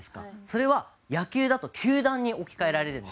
それは野球だと球団に置き換えられるんですね。